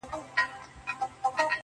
تور نصيب يې كړل په برخه دوږخونه.!.!